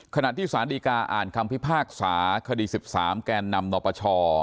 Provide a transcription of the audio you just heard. ขณะที่ศาลดีกาอ่านคำพิพากษาคดีสิบสามแก่นำหนอปชอ